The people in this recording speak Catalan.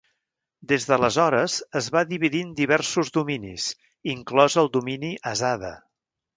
Des d'aleshores, es va dividir en diversos dominis, inclòs el domini Asada.